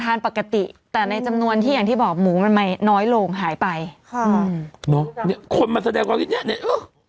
ทานปกติแต่ในจำนวนที่อย่างที่บอกหมูไม่มีรวมหายไปค่ะเนอะเลยว่า